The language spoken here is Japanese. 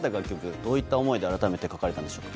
どういった思いで、改めて書かれたんでしょうか。